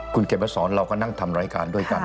คุณเขียนมาสอนเราก็นั่งทำรายการด้วยกัน